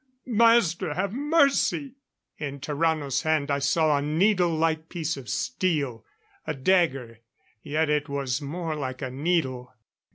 Master! Have mercy!" In Tarrano's hand I saw a needle like piece of steel. A dagger, yet it was more like a needle.